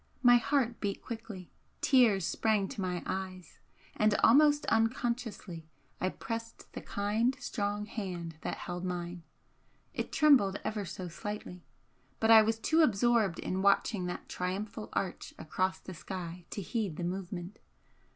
My heart beat quickly tears sprang to my eyes and almost unconsciously I pressed the kind, strong hand that held mine. It trembled ever so slightly but I was too absorbed in watching that triumphal arch across the sky to heed the movement.